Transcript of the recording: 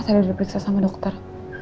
saya udah beriksa sama dokter